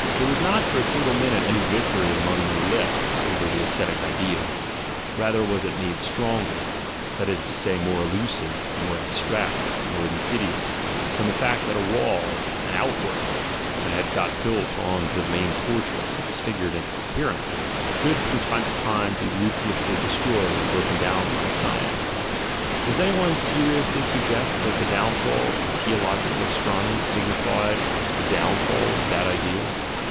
There was not for a single minute any victory among their list over the ascetic ideal, rather was it made stronger, that is to say, more elusive, more ab stract, more insidious, from the fact that a wall, an out work, that had got built on to the main fortress and disfigured its appearance, should from time to time be ASCETIC IDEALS 169 ruthlessly destroyed and broken down by science. Does any one seriously suggest that the downfall of the theologi cal astronomy signified the downfall of that ideal?